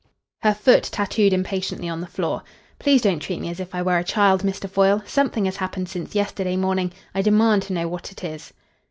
Her foot tattooed impatiently on the floor. "Please don't treat me as if I were a child, Mr. Foyle. Something has happened since yesterday morning. I demand to know what it is."